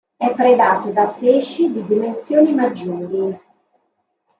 È predato da pesci di dimensioni maggiori.